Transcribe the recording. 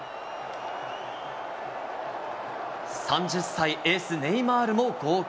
３０歳、エース、ネイマールも号泣。